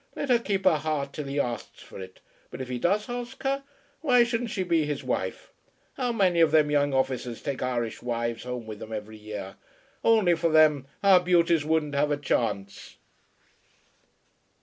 Let her keep her heart till he asks her for it; but if he does ask her, why shouldn't she be his wife? How many of them young officers take Irish wives home with 'em every year. Only for them, our beauties wouldn't have a chance."